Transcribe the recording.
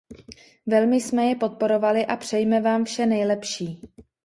Velmi jsme je podporovali a přejme vám vše nejlepší.